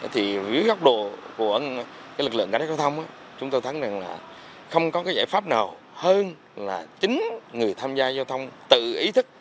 thì dưới góc độ của cái lực lượng cảnh sát giao thông chúng tôi thắng rằng là không có cái giải pháp nào hơn là chính người tham gia giao thông tự ý thức